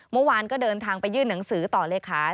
เมื่อวานก็เดินทางไปยื่นหนังสือต่อเลขา